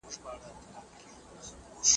د تېر وخت ترخې خاطرې بیا راژوندۍ شوې.